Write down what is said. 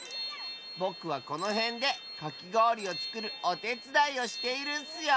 ぼくはこのへんでかきごおりをつくるおてつだいをしているッスよ。